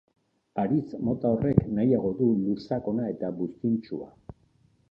Haritz mota horrek nahiago du lur sakona eta buztintsua.